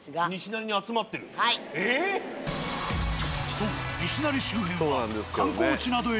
そう西成周辺は。